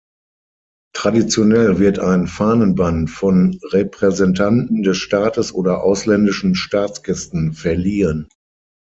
Traditionell wird ein Fahnenband von Repräsentanten des Staates oder ausländischen Staatsgästen verliehen.